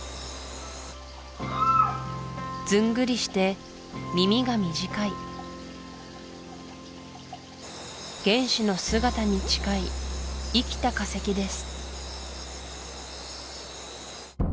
ずんぐりして耳が短い原始の姿に近い生きた化石です